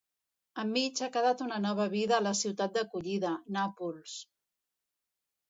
Enmig ha quedat una nova vida a la ciutat d'acollida, Nàpols.